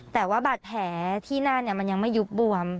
แต่ว่าบาดแผลที่หน้ามันยังไม่ยุบบวม